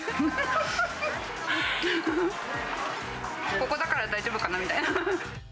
ここだから大丈夫かなみたいな。